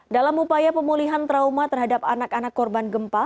dalam upaya pemulihan trauma terhadap anak anak korban gempa